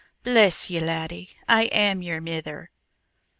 Bless ye, laddie, I am your mither!"